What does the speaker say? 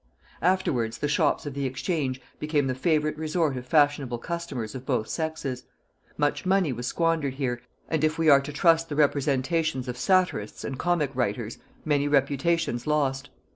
Afterwards the shops of the exchange became the favorite resort of fashionable customers of both sexes: much money was squandered here, and, if we are to trust the representations of satirists and comic writers, many reputations lost.